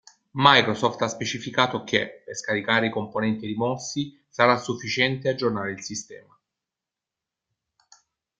Microsoft ha specificato che, per scaricare i componenti rimossi, sarà sufficiente aggiornare il sistema.